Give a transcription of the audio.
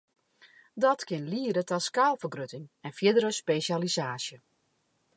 Dat kin liede ta skaalfergrutting en fierdere spesjalisaasje.